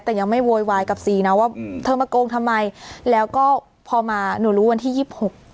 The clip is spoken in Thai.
แต่ยังไม่โวยวายกับซีนะว่าเธอมาโกงทำไมแล้วก็พอมาหนูรู้วันที่ยี่สิบหก